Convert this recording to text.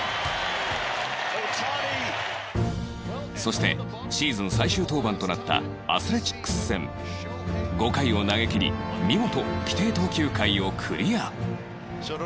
そしてシーズン最終登板となったアスレチックス戦５回を投げきり見事規定投球回をクリア